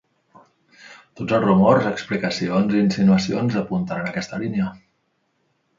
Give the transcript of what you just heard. Tots els rumors, explicacions i insinuacions apunten en aquesta línia.